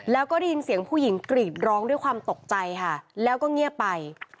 แล้วก็ได้ยินเสียงผู้หญิงกรีดร้องด้วยความตกใจค่ะแล้วก็เงียบไป